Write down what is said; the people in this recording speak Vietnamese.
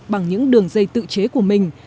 bằng những đường dây tự chế của mình